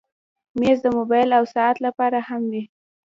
مېز د موبایل او ساعت لپاره هم وي.